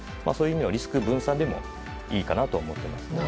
そういう意味ではリスク分散もいいかなと思います。